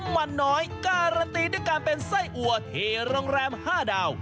มันน้อยการันตีด้วยการเป็นไส้อัวเทโรงแรม๕ดาว